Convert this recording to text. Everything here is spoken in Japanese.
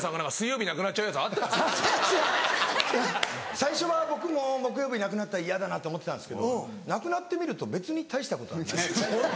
最初は僕も木曜日なくなったら嫌だなって思ってたんですけどなくなってみると別に大したことはないです。